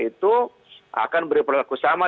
itu akan berperlaku sama